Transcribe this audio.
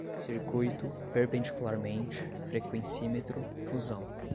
circuito, perpendicularmente, frequencímetro, fusão